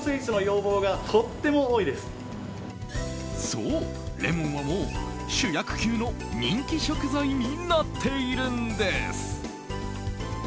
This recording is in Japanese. そう、レモンはもう主役級の人気食材になっているんです。